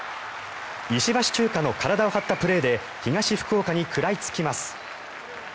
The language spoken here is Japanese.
石橋チューカの体を張ったプレーで東福岡に食らいつきます。